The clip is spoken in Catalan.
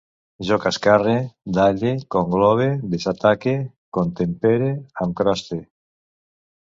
Jo cascarre, dalle, conglobe, desataque, contempere, em croste